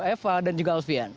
eva dan juga alvia